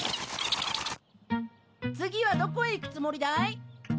次はどこへ行くつもりだい？